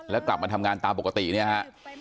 แล้วกลับมาทำงานตามปกติเนี่ยฮะ